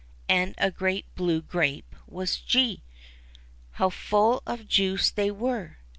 And a great blue grape was G. How full of juice they were